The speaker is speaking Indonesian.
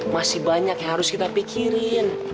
masih banyak yang harus kita pikirin